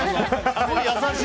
優しい。